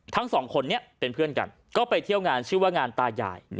ทั้งสองคนนี้เป็นเพื่อนกันก็ไปเที่ยวงานชื่อว่างานตายาย